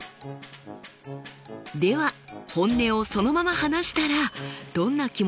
では本音をそのまま話したらどんな気持ちになるんでしょうか？